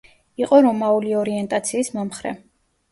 იყო რომაული ორიენტაციის მომხრე.